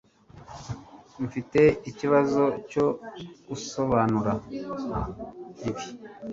Mfite ikibazo cyo gusobanura ibi.